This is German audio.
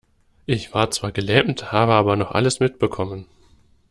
Ich war zwar gelähmt, habe aber noch alles mitbekommen.